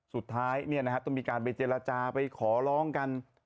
สุดท้ายต้องมีการไปเจรจาไปขอร้องกัน